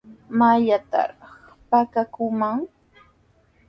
¿Mayllamanraq pakakuuman?